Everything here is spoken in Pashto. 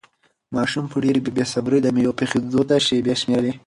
ماشوم په ډېرې بې صبري د مېوې پخېدو ته شېبې شمېرلې.